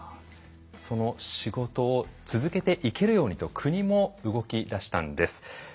その仕事を続けていけるようにと国も動きだしたんです。